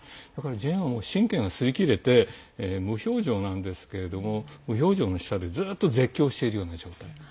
ジェーンは神経がすり切れて無表情なんですけれども無表情の下でずっと絶叫しているような状態。